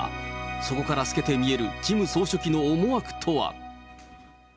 そこから透けて見えるキム総書記の思惑とは。